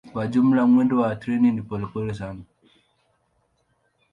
Kwa jumla mwendo wa treni ni polepole sana.